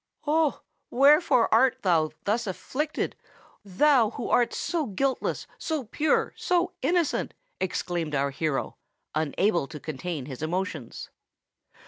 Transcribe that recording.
"Oh! wherefore art thou thus afflicted—thou who art so guiltless, so pure, so innocent?" exclaimed our hero, unable to contain his emotions.